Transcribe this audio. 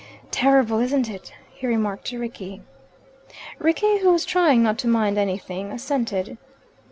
"Terrible, isn't it?" he remarked to Rickie. Rickie, who was trying not to mind anything, assented.